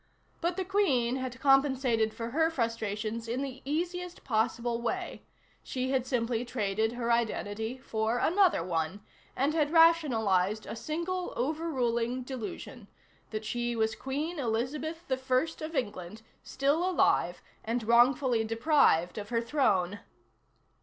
But the Queen had compensated for her frustrations in the easiest possible way; she had simply traded her identity for another one, and had rationalized a single, overruling delusion: that she was Queen Elizabeth I of England, still alive and wrongfully deprived of her throne.